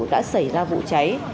đã xảy ra vụ cháy